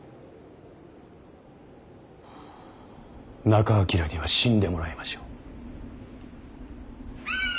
仲章には死んでもらいましょう。